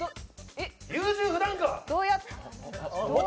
優柔不断か！